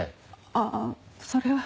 ああそれは。